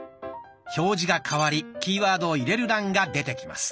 表示が替わりキーワードを入れる欄が出てきます。